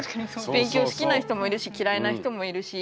勉強好きな人もいるし嫌いな人もいるし。